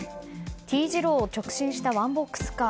Ｔ字路を直進したワンボックスカー。